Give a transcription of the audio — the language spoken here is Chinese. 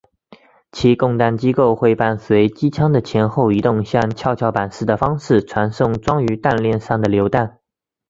其供弹机构会伴随枪机的前后移动像跷跷板的方式传送装于弹链上的榴弹。